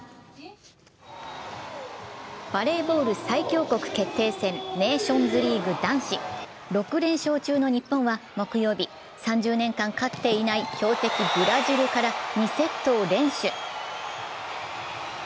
バレーボール最強国決定戦ネーションズリーグ男子、６連勝中の日本は、木曜日、３０年間勝っていない強敵ブラジルから２セットを連取。